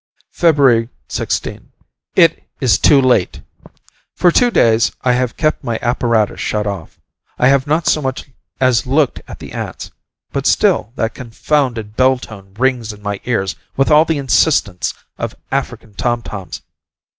Feb. 16. It is too late! For two days, I have kept my apparatus shut off. I have not so much as looked at the ants, but still that confounded bell tone rings in my ears with all the insistence of African tom toms.